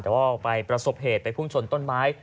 แต่ว่าไปประสบเหตุไปพุ่งชนต้นไม้